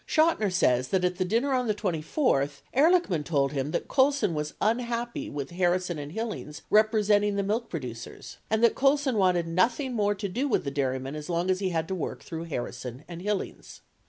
Chotiner says that at the dinner on the 24th Ehrlichman told him that Colson was unhappy with Harrison and Hillings representing the milk producers and that Colson wanted nothing more to do with the dairymen as long as he had to work through Harrison and Hillings.